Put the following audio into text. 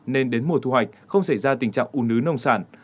nên đến mùa thu hoạch không xảy ra tình trạng ủ nứ nông sản